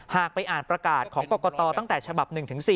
ไปอ่านประกาศของกรกตตั้งแต่ฉบับ๑๔